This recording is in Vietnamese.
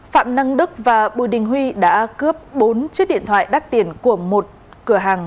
phạm năng đức và bùi đình huy đã cướp bốn chiếc điện thoại đắt tiền của một cửa hàng